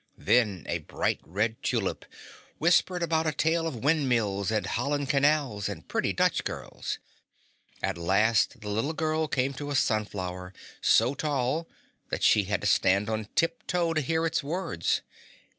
Then a bright red tulip whispered about a tale of wind mills and Holland canals and pretty Dutch girls. At last the little girl came to a sunflower so tall that she had to stand on tip toe to hear its words.